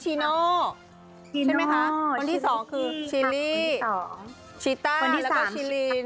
ใช่ไหมคะคนที่สองคือชิลลี่ชีต้าคนนี้แล้วก็ชิลีน